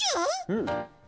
うん。